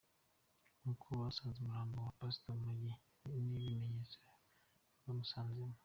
Uko basanze umurambo wa Pastor Maggie n’ibimenyetso bamusanganye.